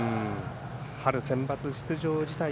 春センバツ出場辞退